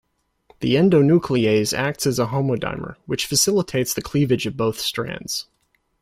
The endonuclease acts as a homodimer, which facilitates the cleavage of both strands.